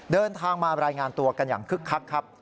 เดินทางมารายงานตัวกันอย่างคึกคักครับ